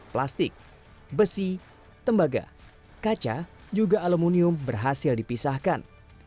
plastik besi tembaga kaca juga aluminium berhasil dipisahkan